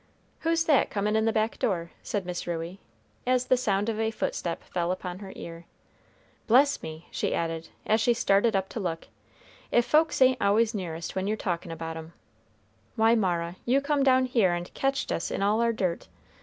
"Who's that comin' in the back door?" said Miss Ruey, as the sound of a footstep fell upon her ear. "Bless me," she added, as she started up to look, "if folks ain't always nearest when you're talkin' about 'em. Why, Mara; you come down here and catched us in all our dirt!